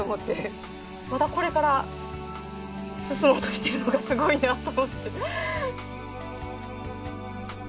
まだこれから進もうとしてるのがすごいなと思って。